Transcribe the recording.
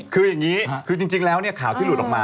คืออย่างนี้คือจริงแล้วข่าวที่หลุดออกมา